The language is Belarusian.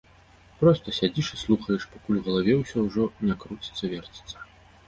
Проста сядзіш і слухаеш, пакуль ў галаве ўсё ужо не круціцца-верціцца.